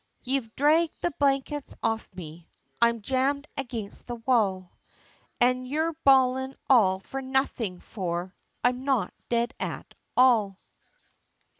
Ye've dhragged the blankets off of me, I'm jammed against the wall, An' you're bawlin' all for nothin' for I'm not dead at all!"